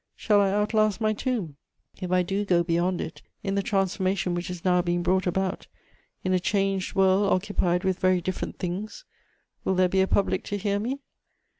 Shall I outlast my tomb? If I do go beyond it, in the transformation which is now being brought about, in a changed world occupied with very different things, will there be a public to hear me?